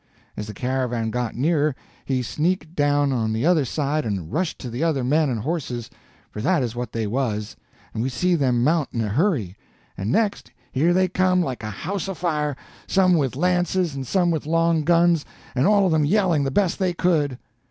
As the caravan got nearer, he sneaked down on the other side and rushed to the other men and horses—for that is what they was—and we see them mount in a hurry; and next, here they come, like a house afire, some with lances and some with long guns, and all of them yelling the best they could.